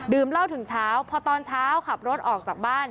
เหล้าถึงเช้าพอตอนเช้าขับรถออกจากบ้าน